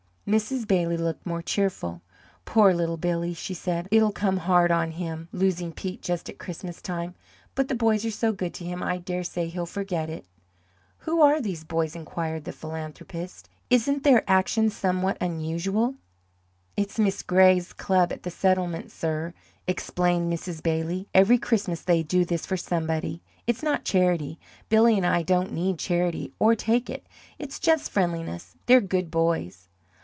Mrs. Bailey looked more cheerful. "Poor little Billy!" she said. "It'll come hard on him, losing Pete just at Christmas time. But the boys are so good to him, I dare say he'll forget it." "Who are these boys?" inquired the philanthropist. "Isn't their action somewhat unusual?" "It's Miss Gray's club at the settlement, sir," explained Mrs. Bailey. "Every Christmas they do this for somebody. It's not charity; Billy and I don't need charity, or take it. It's just friendliness. They're good boys."